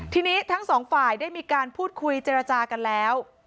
ทีนี้ทั้งสองฝ่ายได้มีการพูดคุยเจรจากันแล้ว